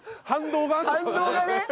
反動がね。